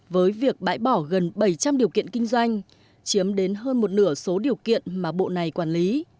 với việc bãi bỏ gần bảy trăm linh điều kiện kinh doanh chiếm đến hơn một nửa số điều kiện mà bộ này quản lý